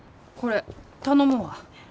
これ頼むわ。